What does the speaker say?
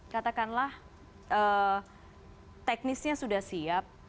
katakanlah teknisnya sudah siap